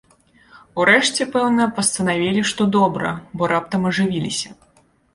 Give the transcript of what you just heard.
Урэшце, пэўна, пастанавілі, што добра, бо раптам ажывіліся.